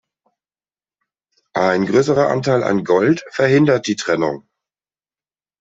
Ein größerer Anteil an Gold verhindert die Trennung.